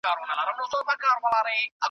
زما له موج سره یاري ده له توپان سره همزولی .